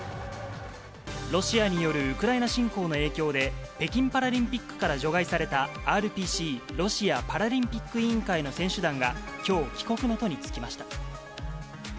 ロシアによるウクライナ侵攻の影響で、北京パラリンピックから除外されたＲＰＣ・ロシアパラリンピック委員会の選手団がきょう、帰国の途に就きました。